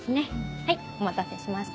はいお待たせしました。